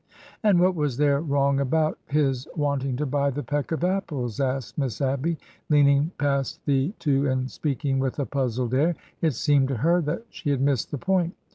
And what was there wrong about his wanting to buy the peck of apples ?" asked Miss Abby, leaning past the two and speaking with a puzzled air. It seemed to her that she had missed the point.